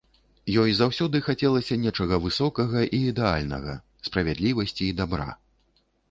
Ёй заўсёды хацелася нечага высокага і ідэальнага, справядлівасці і дабра.